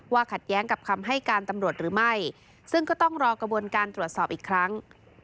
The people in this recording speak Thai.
ขัดแย้งกับคำให้การตำรวจหรือไม่ซึ่งก็ต้องรอกระบวนการตรวจสอบอีกครั้ง